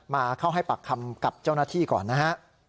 มาเข้าให้ปากคำกับเจ้าหน้าที่ก่อนนะฮะ